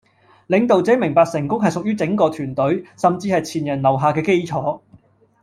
領導者明白成功係屬於整個團隊、甚至係前人留下嘅基礎。